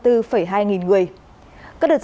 khu vực công nghiệp và xây dựng